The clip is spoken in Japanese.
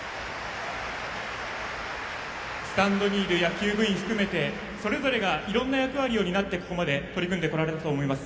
スタンドにいる野球部員含めてそれぞれがいろんな役割を担ってここまで取り組んでこられたと思います。